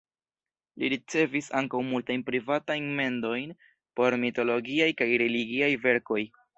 Li ricevis ankaŭ multajn privatajn mendojn por mitologiaj kaj religiaj verkoj.